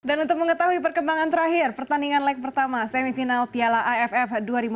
dan untuk mengetahui perkembangan terakhir pertandingan leg pertama semifinal piala aff dua ribu enam belas